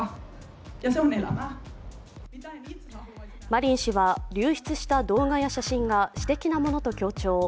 マリン氏は、流出した動画や写真が私的なものと強調。